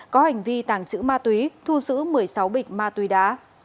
có hành vi tàng trữ ma túy thu giữ một mươi sáu bịch ma túy đá